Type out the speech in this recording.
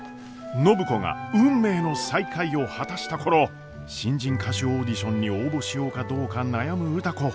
暢子が運命の再会を果たした頃新人歌手オーディションに応募しようかどうか悩む歌子。